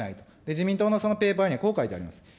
自民党のそのペーパーにはこう書いております。